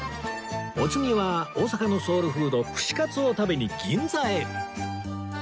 お次は大阪のソウルフード串カツを食べに銀座へ